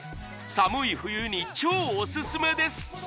寒い冬に超オススメです